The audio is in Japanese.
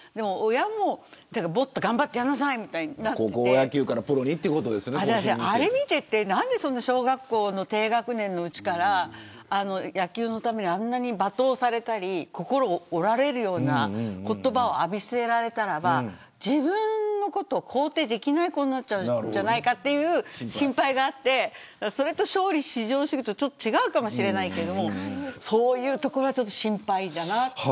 親も、もっと頑張ってやんなさいみたいになってて私、あれ見てて何で小学校低学年のうちから野球のためにあんなに罵倒されたり心を折られるような言葉を浴びせられたらば自分のことを肯定できない子になっちゃうんじゃないかという心配があってそれと、勝利至上主義とちょっと違うかもしれないけどそういうところが心配だなって。